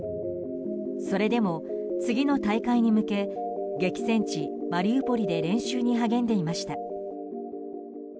それでも次の大会に向け激戦地マリウポリで練習に励んでいました。